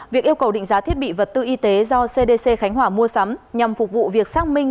việc yêu cầu định giá thiết bị vật tư y tế do cdc khánh hòa mua sắm nhằm phục vụ việc xác minh